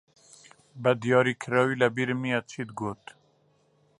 بەدیاریکراوی لەبیرم نییە چیت گوت.